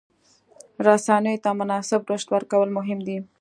رسنیو ته مناسب رشد ورکول مهم دي.